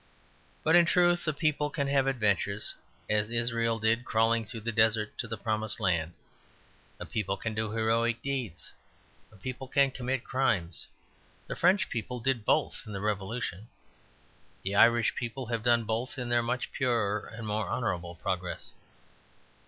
But, in truth, a people can have adventures, as Israel did crawling through the desert to the promised land. A people can do heroic deeds; a people can commit crimes; the French people did both in the Revolution; the Irish people have done both in their much purer and more honourable progress.